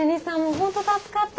本当助かった。